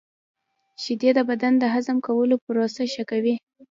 • شیدې د بدن د هضم کولو پروسه ښه کوي.